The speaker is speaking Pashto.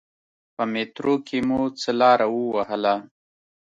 په میترو کې مو څه لاره و وهله.